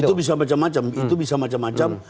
itu bisa macam macam itu bisa macam macam